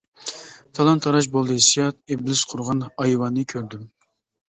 تالان-تاراج بولدى ھېسسىيات، ئىبلىس قۇرغان ئايۋاننى كۆردۈم.